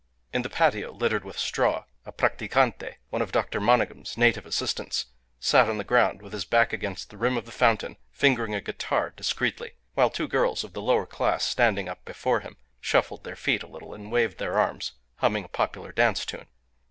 In the patio littered with straw, a practicante, one of Dr. Monygham's native assistants, sat on the ground with his back against the rim of the fountain, fingering a guitar discreetly, while two girls of the lower class, standing up before him, shuffled their feet a little and waved their arms, humming a popular dance tune.